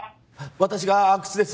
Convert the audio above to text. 私が阿久津です